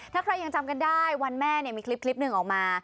ถ้าใครยังจำกันได้วันแม่มีคลิปหนึ่งออกมา